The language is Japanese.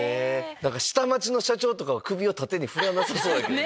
下町の社長とかは首を縦に振らなさそうやけど。